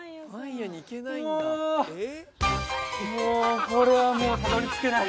もうもうこれはもうたどり着けない